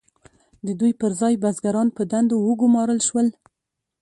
د دوی پر ځای بزګران په دندو وګمارل شول.